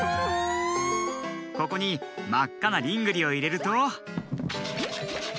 ここにまっかなリングリをいれると。